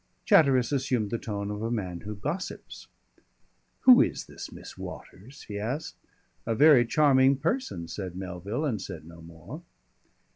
Chatteris assumed the tone of a man who gossips. "Who is this Miss Waters?" he asked. "A very charming person," said Melville and said no more.